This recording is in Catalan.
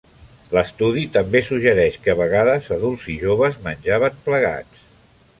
L'estudi també suggereix que, a vegades, adults i joves menjaven plegats.